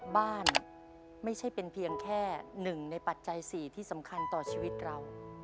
บ้านไม่ใช่เป็นเพียงแค่หนึ่งในปัจจัย๔ที่สำคัญต่อชีวิตเรา